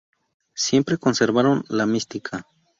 Siempre conservaron la mística.